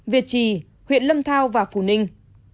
việt trì huyện lâm thao và phù ninh